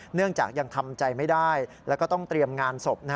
เนื่องจากยังทำใจไม่ได้แล้วก็ต้องเตรียมงานศพ